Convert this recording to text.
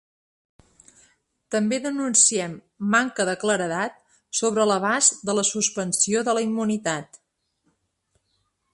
També denuncien manca de claredat sobre l’abast de la suspensió de la immunitat.